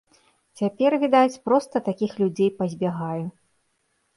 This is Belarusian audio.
Цяпер, відаць, проста такіх людзей пазбягаю.